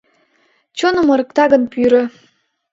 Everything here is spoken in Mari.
Чоным ырыкта гын пӱрӧ